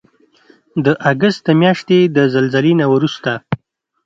د اګست د میاشتې د زلزلې نه وروسته